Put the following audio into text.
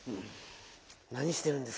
なにしてるんですか？